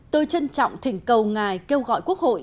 tôi trân trọng thỉnh cầu ngài kêu gọi quốc hội